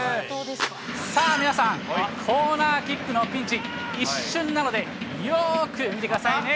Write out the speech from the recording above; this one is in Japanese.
さあ、皆さん、コーナーキックのピンチ、一瞬なのでよーく見てくださいね。